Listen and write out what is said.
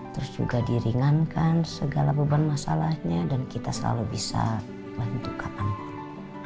terus juga diringankan segala beban masalahnya dan kita selalu bisa bantu kapanpun